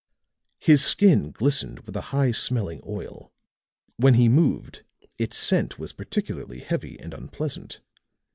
His skin glistened with a high smelling oil; when he moved, its scent was particularly heavy and unpleasant.